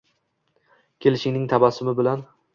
Kelishingni tabassum bilan